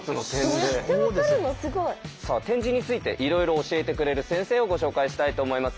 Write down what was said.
すごい。さあ点字についていろいろ教えてくれる先生をご紹介したいと思います。